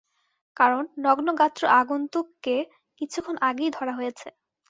কারণ, নগ্নগাত্র আগন্তুককে কিছুক্ষণ আগেই ধরা হয়েছে।